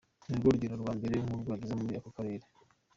Ni rwo rugendo rwa mbere nk'urwo agize muri ako karere.